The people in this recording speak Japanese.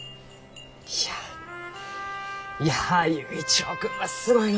いやいや佑一郎君はすごいのう！